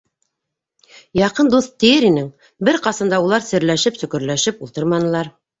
Яҡын дуҫ тиер инең - бер ҡасан да улар серләшеп-сөкөрләшеп ултырманылар.